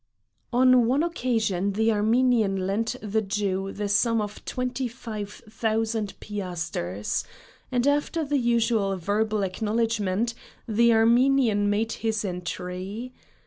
On one occasion the Armenian lent the Jew the sum of twenty five thousand piasters, and after the usual verbal acknowledgment the Armenian made his entry.